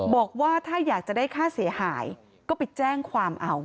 บอกว่าถ้าอยากจะได้ค่าเสียหายก็ไปแจ้งความเอา